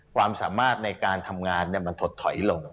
ความสามารถในการทำงานมันถดถอยลง